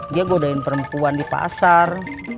dia godain perempuan di pasar